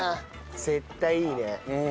絶対いいね。